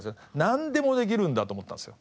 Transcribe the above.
なんでもできるんだと思ってたんですよ。